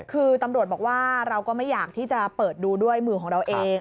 คือตำรวจบอกว่าเราก็ไม่อยากที่จะเปิดดูด้วยมือของเราเอง